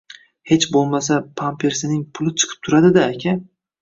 «Hech bo‘lmasa pampersining puli chiqib turadi-da, aka